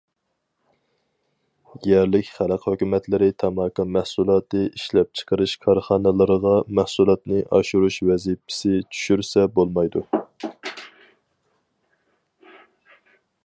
يەرلىك خەلق ھۆكۈمەتلىرى تاماكا مەھسۇلاتى ئىشلەپچىقىرىش كارخانىلىرىغا مەھسۇلاتنى ئاشۇرۇش ۋەزىپىسى چۈشۈرسە بولمايدۇ.